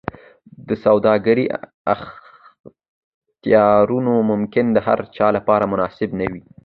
د سوداګرۍ اختیارونه ممکن د هرچا لپاره مناسب نه وي.